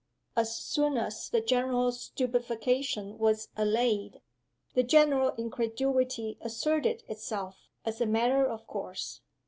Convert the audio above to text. As soon as the general stupefaction was allayed, the general incredulity asserted itself as a matter of course.